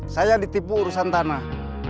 saya ditipu urusan tanah